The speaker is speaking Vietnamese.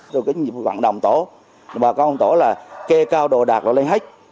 tôi có nhiệm vụ vận động tổ bà con tổ là kê cao đồ đạc lên hết